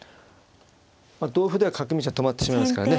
まあ同歩では角道が止まってしまいますからね。